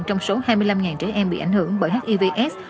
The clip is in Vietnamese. trong số hai mươi năm trẻ em bị ảnh hưởng bởi hivs